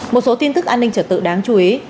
một số tin tức an ninh trở tự đáng chú ý